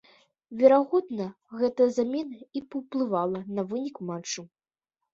Верагодна, гэтая замена і паўплывала на вынік матчу.